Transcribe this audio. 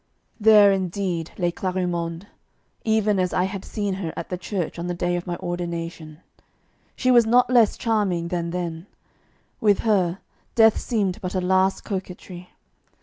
There, indeed, lay Clarimonde, even as I had seen her at the church on the day of my ordination. She was not less charming than then. With her, death seemed but a last coquetry.